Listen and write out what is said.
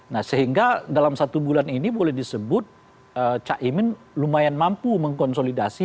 nah sehingga dalam satu bulan ini boleh disebut caimin lumayan mampu mengkonsolidasi